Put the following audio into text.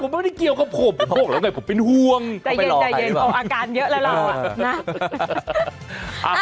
ไม่ผมไม่ได้เกี่ยวกับผมผมพวกเราไงผมเป็นห่วงใจเย็นออกอาการเยอะแล้วเราอ่ะ